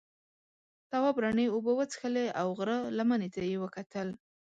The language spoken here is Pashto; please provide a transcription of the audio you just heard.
تواب رڼې اوبه وڅښلې او غره لمنې ته یې وکتل.